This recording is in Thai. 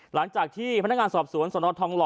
หลังจากที่พนักงานสอบสวนสนทองหล่อ